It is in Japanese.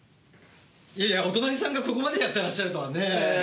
いやいやお隣さんがここまでやってらっしゃるとはねえ。